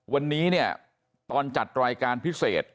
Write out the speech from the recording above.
วันนี้เนี่ยตอนจัดรายการพิเศษ